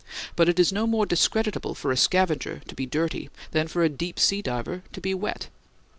But it is no more discreditable for a scavenger to be dirty than for a deep sea diver to be wet.